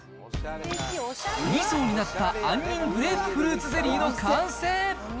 ２層になった杏仁グレープフルーツゼリーの完成。